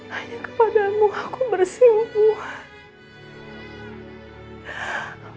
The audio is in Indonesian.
hanya kepadamu aku bersimpuan